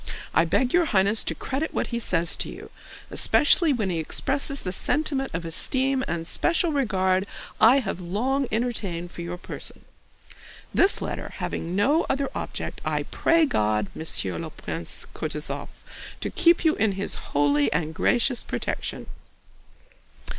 I beg your Highness to credit what he says to you, especially when he expresses the sentiment of esteem and special regard I have long entertained for your person. This letter having no other object, I pray God, monsieur le prince Koutouzov, to keep you in His holy and gracious protection!